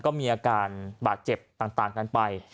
ก็มีอาการบาดเจ็บต่างกันไป